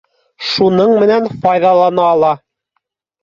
Шуның менән файҙалана ла.